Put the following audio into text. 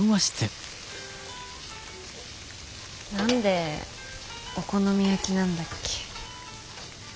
何でお好み焼きなんだっけ？